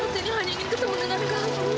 terima kasih banyak